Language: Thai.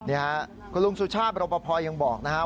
นี่ฮะคุณลุงสุชาพรปภยังบอกนะคะ